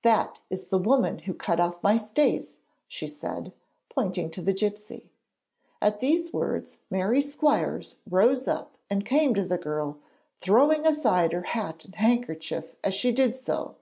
'That is the woman who cut off my stays,' she said, pointing to the gipsy. At these words Mary Squires rose and came up to the girl, throwing aside her hat and handkerchief as she did so.